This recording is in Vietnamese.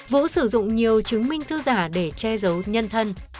vũ sử dụng nhiều chứng minh thư giả để che giấu nhân thân